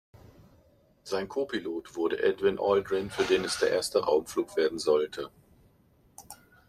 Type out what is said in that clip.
Sein Copilot wurde Edwin Aldrin, für den es der erste Raumflug werden sollte.